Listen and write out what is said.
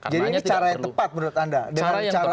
jadi ini cara yang tepat menurut anda dengan cara